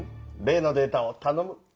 例のデータをたのむ。